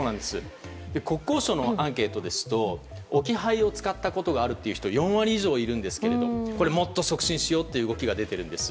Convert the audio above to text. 国交省のアンケートですと置き配を使ったことがある人は４割以上いるんですけど、これをもっと促進しようという動きが出ているんです。